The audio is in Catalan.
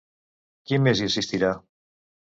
Qui més hi assistirà?